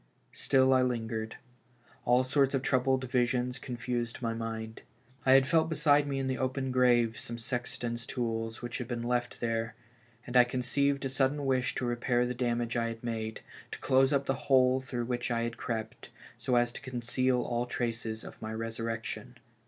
Still I lingered; all sorts of troubled visions confused my mind. I had felt beside me in the open grave some sexton's tools which had been left there, and I conceived a sudden wish to repair the damage I had made, to close up the hole through which I had crept, so as to conceal all traces of my resurrection.